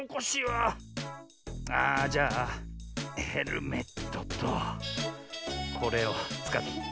ああじゃあヘルメットとこれをつかって。